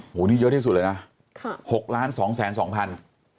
โหนี่เยอะที่สุดเลยนะ๖ล้าน๒แสน๒พัน